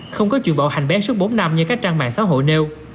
không có chuyện bảo hành bé suốt bốn năm như các trang mạng xã hội nêu